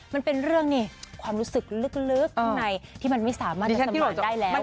มันเป็นเรื่องนี่ความรู้สึกลึกข้างในที่มันไม่สามารถจะสำรวจได้แล้ว